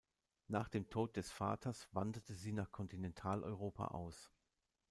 Nach dem Tod des Vaters wanderte sie nach Kontinentaleuropa aus.